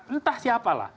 entah siapa lah